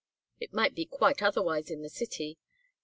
It might be quite otherwise in the city.